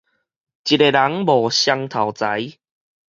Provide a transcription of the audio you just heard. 一个人無雙頭才